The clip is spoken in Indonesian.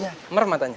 kayak keren gue juga